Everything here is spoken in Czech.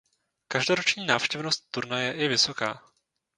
Každoroční návštěvnost turnaje je vysoká.